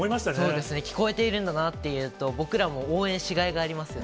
そうですね、聞こえているんだなっていうと、僕らも応援しがいがありますよね。